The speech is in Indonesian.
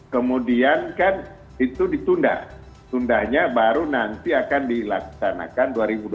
kemudian kan itu ditunda tundanya baru nanti akan dilaksanakan dua ribu dua puluh